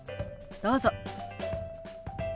どうぞ。